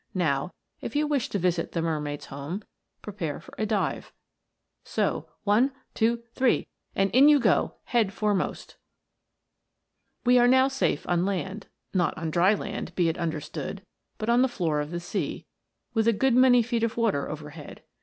~Now, if you wish to visit the mermaid's home, prepare for a dive, so one, two, three and in you go head foremost ! We are now safe on land ; not on dry land, be it understood, but on the floor of the sea, with a good many feet of water overhead.